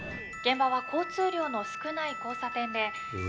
現場は交通量の少ない交差点で。